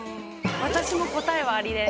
私も答えは「あり」です。